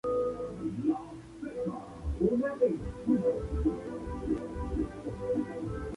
¿vosotras partiríais?